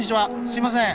すいません。